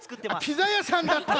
ピザやさんだった！